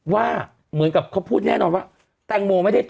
ว่าเหมือนกับเค้าพูดแน่นอนว่า